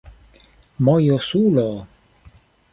mojosulo